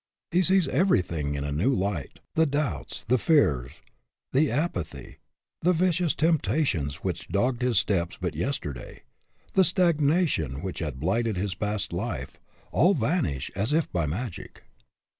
He sees everything in a new light. The doubts, the fears, the apathy, the vicious temptations which dogged his steps but yesterday, the stagnation which had blighted his past life, all vanish as if by magic.